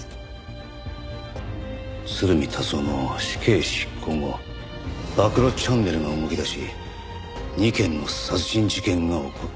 鶴見達男の死刑執行後暴露チャンネルが動きだし２件の殺人事件が起こった。